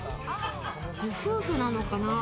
夫婦なのかな？